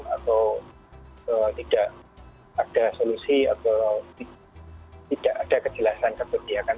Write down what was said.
atau tidak ada solusi atau tidak ada kejelasan keberpihakan